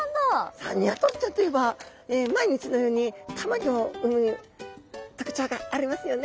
さあニワトリちゃんといえば毎日のようにたまギョを産む特徴がありますよね。